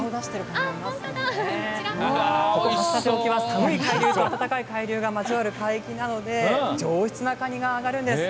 寒い海流と暖かい海流が交わる海流なので上質なカニが取れるんです。